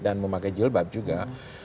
dan memakai jilbab juga